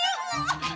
apalagi ber ellin